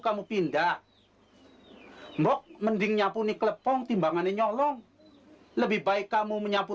kamu pindah hai mbok mending nyampe ni kelepong timbangannya nyolong lebih baik kamu menyampu